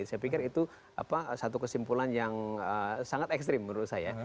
saya pikir itu satu kesimpulan yang sangat ekstrim menurut saya